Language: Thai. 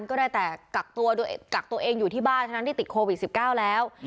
ก็ได้แต่กักตัวกักตัวเองอยู่ที่บ้านเท่านั้นที่ติดโควิด๑๙แล้ว